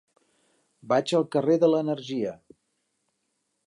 Vaig al carrer de l'Energia.